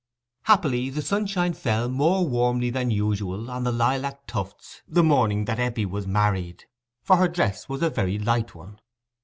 Happily the sunshine fell more warmly than usual on the lilac tufts the morning that Eppie was married, for her dress was a very light one.